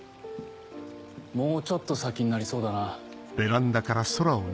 もうちょっと先になりそうだな。